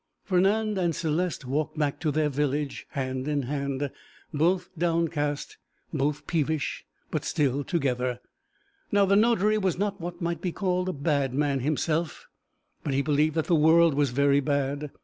Fernand and Céleste walked back to their village, hand in hand, both downcast, both peevish, but still together. Now the notary was not what might be called a bad man himself, but he believed that the world was very bad.